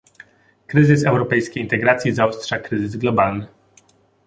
Kryzys europejskiej integracji zaostrza kryzys globalny